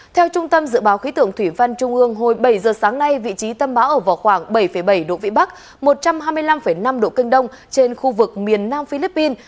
theo trung tâm dự báo khí tượng thủy văn trung ương hồi bảy giờ sáng nay vị trí tâm bão ở vào khoảng bảy bảy độ vĩ bắc một trăm hai mươi năm năm độ kinh đông trên khu vực miền nam philippines